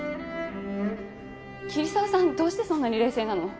桐沢さんどうしてそんなに冷静なの？